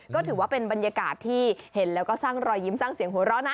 ก็ถือว่าเป็นบรรยากาศที่เห็นแล้วก็สร้างรอยยิ้มสร้างเสียงหัวเราะนะ